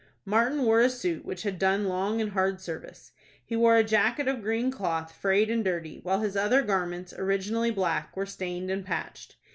Martin wore a suit which had done long and hard service. He wore a jacket of green cloth, frayed and dirty, while his other garments, originally black, were stained and patched.